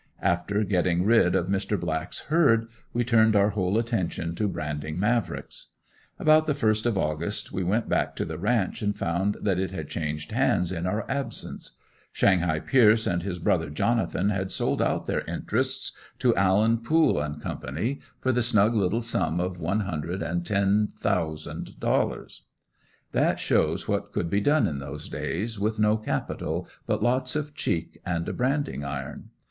After getting rid of Mr. Black's herd we turned our whole attention to branding Mavricks. About the first of August we went back to the ranch and found that it had changed hands in our absence. "Shanghai" Pierce and his brother Jonathan had sold out their interests to Allen, Pool & Co. for the snug little sum of one hundred and ten thousand dollars. That shows what could be done in those days, with no capital, but lots of cheek and a branding iron.